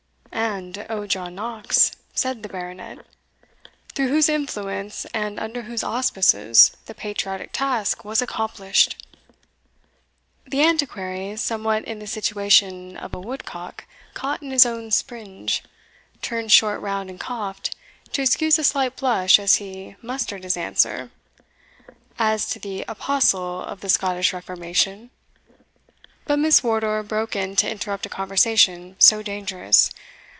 "And, O John Knox" said the Baronet, "through whose influence, and under whose auspices, the patriotic task was accomplished!" The Antiquary, somewhat in the situation of a woodcock caught in his own springe, turned short round and coughed, to excuse a slight blush as he mustered his answer "as to the Apostle of the Scottish Reformation" But Miss Wardour broke in to interrupt a conversation so dangerous.